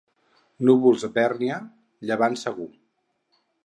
Núvols a Bèrnia, llevant segur.